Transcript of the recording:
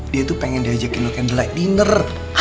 dia tuh pengen diajakin lo candlelight dinner